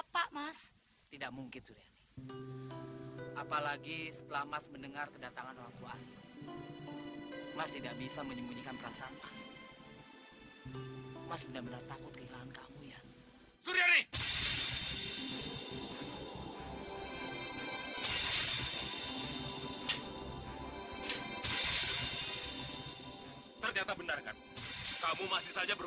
pasti ini langsung berakhir